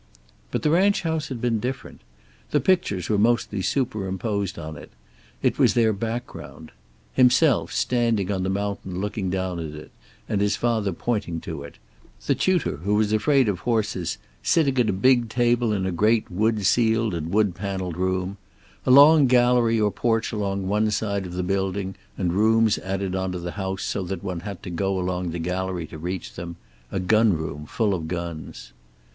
But the ranch house had been different. The pictures were mostly superimposed on it; it was their background. Himself standing on the mountain looking down at it, and his father pointing to it; the tutor who was afraid of horses, sitting at a big table in a great wood ceiled and wood paneled room; a long gallery or porch along one side of the building and rooms added on to the house so that one had to go along the gallery to reach them; a gun room full of guns.